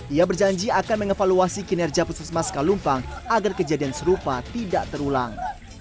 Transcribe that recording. ia berjanji akan mengevaluasi kinerja puskesmas kalumpang agar kejadian serupa tidak terulang